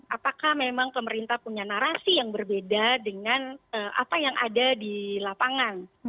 apakah memang pemerintah punya narasi yang berbeda dengan apa yang ada di lapangan